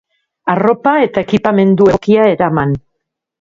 Arropa eta ekipamendu egokia eraman.